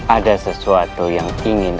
ada sesuatu yang ingin